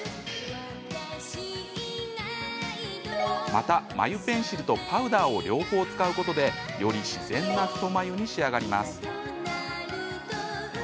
また眉ペンシルとパウダーを両方使うことでより自然な太眉に仕上がります。